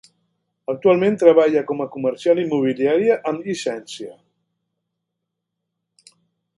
Actualment treballa com a comercial immobiliària amb llicència.